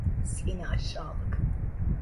Seni aşağılık!